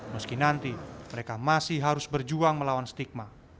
meski nanti mereka masih harus berjuang melawan stigma